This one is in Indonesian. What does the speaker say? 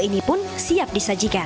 ini pun siap disajikan